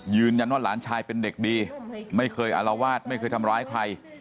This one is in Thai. หลานชายเป็นเด็กดีไม่เคยอารวาสไม่เคยทำร้ายใคร